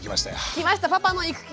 来ました「パパの育休」。